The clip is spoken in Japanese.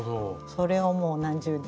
それをもう何十年も。